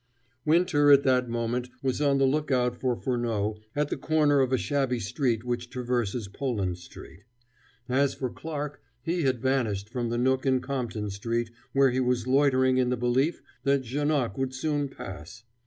Winter at that moment was on the lookout for Furneaux at the corner of a shabby street which traverses Poland Street. As for Clarke, he had vanished from the nook in Compton Street where he was loitering in the belief that Janoc would soon pass.